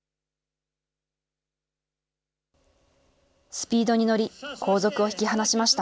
スピードに乗り、後続を引き離しました。